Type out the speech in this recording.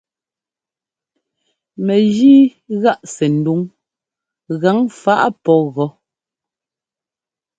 Mɛgíi gáꞌ sɛndúŋ gaŋfaꞌ pɔ́ gɔ́.